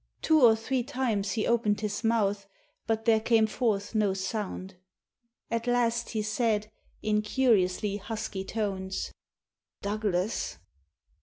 Two or three times he opened his mouth, but there came forth no sound At last he said, in curiously husky tones — "Douglas?"